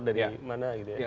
dari mana gitu ya